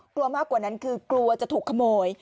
กลัวมากกว่านั้นคือกลัวจะถูกขโมย